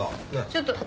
ちょっと。